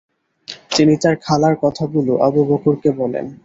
তিনি তার খালার কথাগুলো আবু বকরকে বলেন।